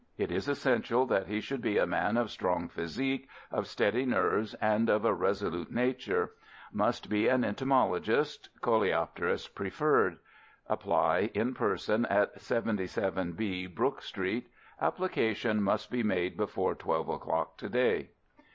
It is essential that he should be a man of strong physique, of steady nerves, and of a resolute nature. Must be an entomologist—coleopterist preferred. Apply, in person, at 77B, Brook Street. Application must be made before twelve o'clock to day.